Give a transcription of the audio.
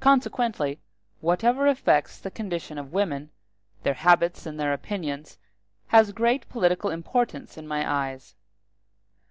Consequently, whatever affects the condition of women, their habits and their opinions, has great political importance in my eyes.